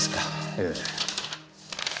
ええ。